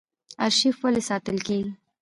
ارشیف ولې ساتل کیږي؟